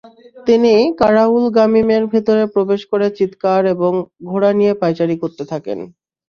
তিনি কারাউল গামীমের ভিতরে প্রবেশ করে চিৎকার এবং ঘোড়া নিয়ে পায়চারি করতে থাকেন।